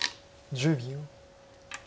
１０秒。